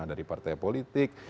dari partai politik